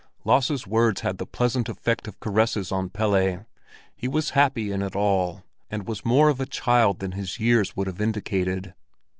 Lasse's words had the pleasant effect of caresses on Pelle; he was happy in it all, and was more of a child than his years would have indicated.